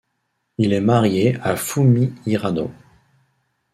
Il est marié à Fumi Hirano.